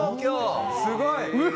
すごい！